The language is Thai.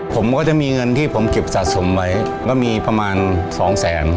ผมก็จะมีเงินที่ผมเก็บสะสมไว้ก็มีประมาณ๒แสน